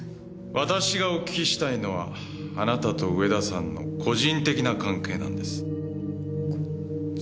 私がお聞きしたいのはあなたと上田さんの個人的な関係なんです。